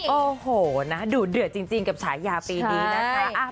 โอ้โหนะดุเดือดจริงกับฉายาปีนี้นะคะ